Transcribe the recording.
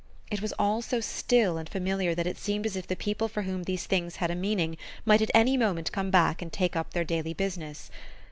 It was all so still and familiar that it seemed as if the people for whom these things had a meaning might at any moment come back and take up their daily business.